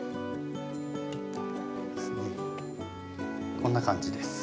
こんな感じです。